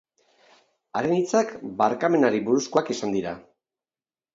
Haren hitzak barkamenari buruzkoak izan dira.